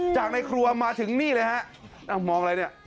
ในครัวมาถึงนี่เลยฮะมองอะไรเนี่ย